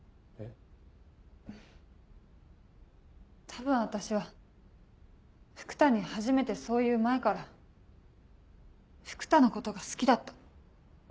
多分私は福多に初めてそう言う前から福多のことが好きだった。